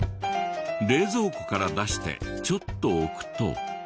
冷蔵庫から出してちょっと置くと。